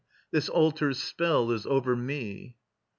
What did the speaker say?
This altar's spell is over me.